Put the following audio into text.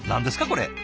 これ。